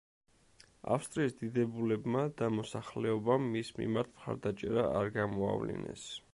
ავსტრიის დიდებულებმა და მოსახლეობამ მის მიმართ მხარდაჭერა არ გამოავლინეს.